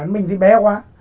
mình thì bé quá